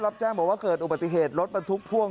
รับแจ้งบอกว่าเกิดอุบัติเหตุรถบรรทุกพ่วง